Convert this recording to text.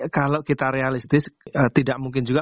kalau kita realistis tidak mungkin juga